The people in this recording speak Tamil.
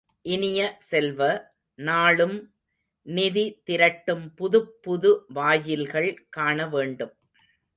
இனிய செல்வ, நாளும் நிதி திரட்டும் புதுப்புது வாயில்கள் காணவேண்டும்.